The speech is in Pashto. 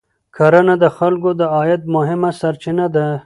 کرنه د خلکو د عاید مهمه سرچینه ده